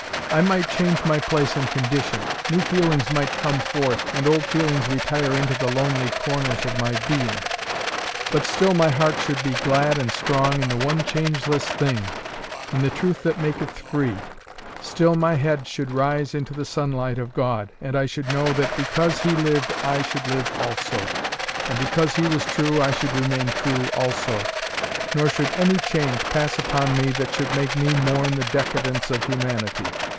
I might change my place and condition; new feelings might come forth, and old feelings retire into the lonely corners of my being; but still my heart should be glad and strong in the one changeless thing, in the truth that maketh free; still my head should rise into the sunlight of God, and I should know that because He lived I should live also, and because He was true I should remain true also, nor should any change pass upon me that should make me mourn the decadence of humanity.